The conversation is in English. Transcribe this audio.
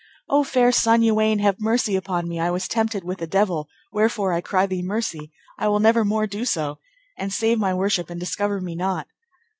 O fair son, Uwaine, have mercy upon me, I was tempted with a devil, wherefore I cry thee mercy; I will never more do so; and save my worship and discover me not.